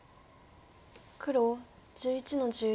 黒１１の十一。